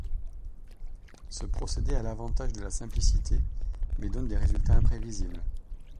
Ce procédé a l'avantage de la simplicité, mais donne des résultats imprévisibles.